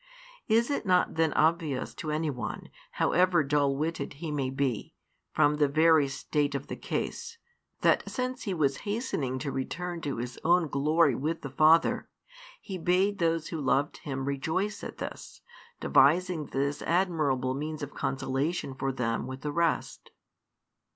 Is it not then obvious to any one, however dull witted he may be, from the very state of the case, that since He was hastening to return to His own glory with the Father, He bade those who loved Him rejoice at this, devising this admirable means of consolation for them with the rest?